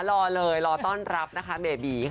รอเลยรอต้อนรับนะคะเบบีค่ะ